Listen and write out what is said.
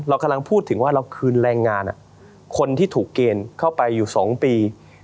เรากำลังพูดถึงว่าเราคืนแรงงานคนที่ถูกเกณฑ์เข้าไปอยู่๒ปี